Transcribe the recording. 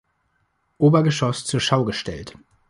Obergeschoss zur Schau gestellt.